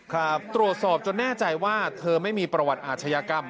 ไม่แน่ใจว่าเธอไม่มีประวัติอาชญากรรม